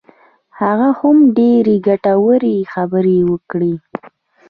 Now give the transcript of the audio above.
هغه هم ډېرې ګټورې خبرې وکړې.